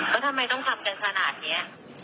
แล้วทำไมต้องทำกันขนาดนี้